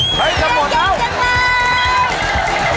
เฮ้ยเก่งจังเลย